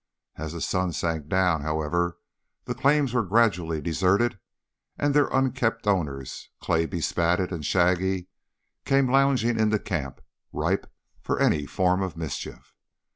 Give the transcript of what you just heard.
As the sun sank down, however, the claims were gradually deserted, and their unkempt owners, clay bespattered and shaggy, came lounging into camp, ripe for any form of mischief.